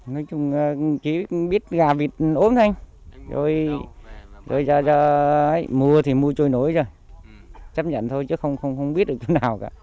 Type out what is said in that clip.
nói chung là chỉ biết gà vịt ốm thôi anh rồi mùa thì mùa trôi nổi rồi chấp nhận thôi chứ không biết được thứ nào cả